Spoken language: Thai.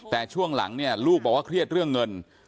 แต่ช่วงหลังเนี่ยลูกบอกว่าเครียดเรื่องเงิน